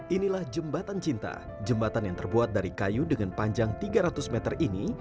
inilah jembatan cinta jembatan yang terbuat dari kayu dengan panjang tiga ratus meter ini